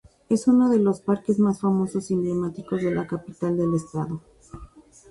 Es uno de los parques más famosos y emblemáticos de la capital del estado.